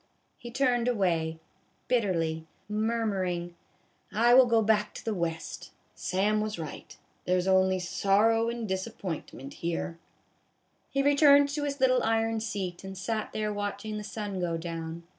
He turned away, bitterly, murmur ing, " I will go back to the West. Sam was right ; there 's only sorrow and disappointment here !" A BAG OF POP CORN. 173 He returned to his little iron seat, and sat there watching the sun go down.